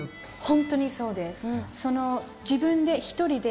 本当にそうです。